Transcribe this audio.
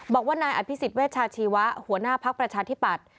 บอกว่านายอภิษฎเวชาชีวะหัวหน้าภักดิ์ประชาธิปัตย์